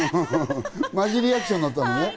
マジリアクションだったんだね。